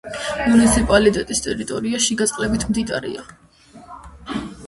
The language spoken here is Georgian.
მუნიციპალიტეტის ტერიტორია შიგა წყლებით მდიდარია.